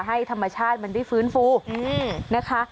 ให้ธรรมชาติมันได้ฟื้นฟูนะคะ